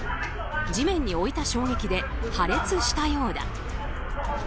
地面に置いた衝撃で破裂したようだ。